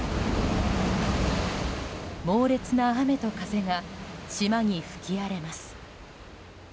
猛烈な雨と風が島に吹き荒れます。